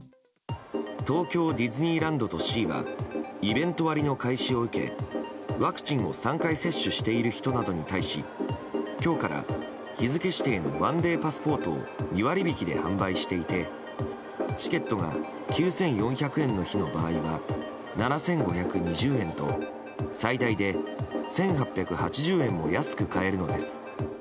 東京ディズニーランドとシーはイベント割の開始を受けワクチンを３回接種している人などに対し今日から日付指定の１デーパスポートを２割引きで販売していてチケットが９４００円の日の場合は７５２０円と最大で１８８０円も安く買えるのです。